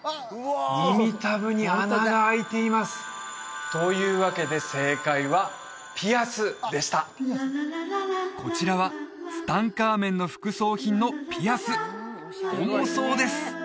耳たぶに穴があいていますというわけで正解は「ピアス」でしたこちらはツタンカーメンの副葬品のピアス重そうです